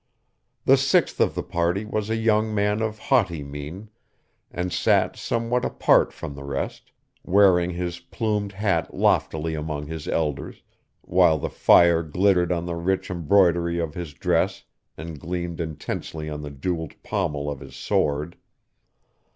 The sixth of the party was a young man of haughty mien, and sat somewhat apart from the rest, wearing his plumed hat loftily among his elders, while the fire glittered on the rich embroidery of his dress and gleamed intensely on the jewelled pommel of his sword.